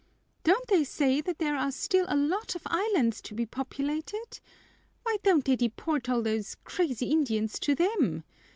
"Don't they say that there are still a lot of islands to be populated? Why don't they deport all these crazy Indians to them?